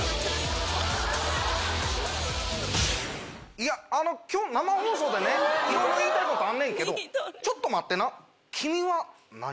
いや今日生放送でねいろいろ言いたいことあんねんけどちょっと待ってな。